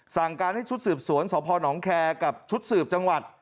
สั่งการให้ชุดสืบสวนสพนแคร์กับชุดสืบจังหวัด